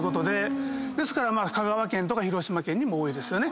ですから香川県とか広島県にも多いですよね。